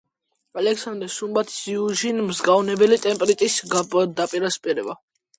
ალექსანდრე სუმბათაშვილ-იუჟინი მგზნებარე ტემპერამენტის, ფართო დიაპაზონის, ტრაგიკული პლანის რომანტიკოსი მსახიობი იყო.